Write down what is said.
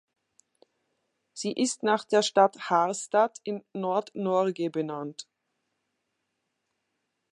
Sie ist nach der Stadt Harstad in Nord-Norge benannt.